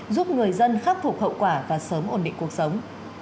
giúp người dân khắc phục hậu quả và sớm ổn định cuộc sống